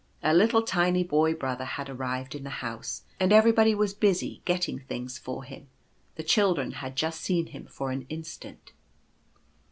A little tiny Boy brother had arrived in the house, and everybody was busy getting things for him. The children had just seen him for an instant.